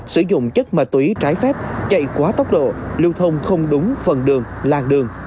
sử dụng chất ma túy trái phép chạy quá tốc độ lưu thông không đúng phần đường làng đường